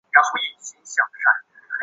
首府尼古拉耶夫。